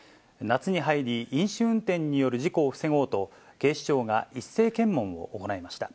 夏に入り、飲酒運転による事故を防ごうと、警視庁が一斉検問を行いました。